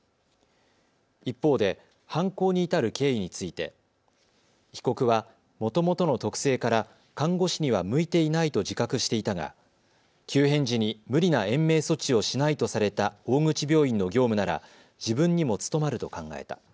一方で犯行に至る経緯について被告は、もともとの特性から看護師には向いていないと自覚していたが急変時に無理な延命措置をしないとされた大口病院の業務なら自分にも務まると考えた。